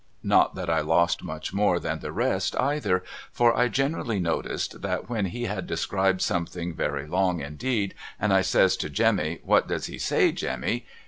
Not that I lost much more than the rest either, for I generally noticed that when he had described something very long indeed and I says to Jemmy 'What does he say Jemmy?'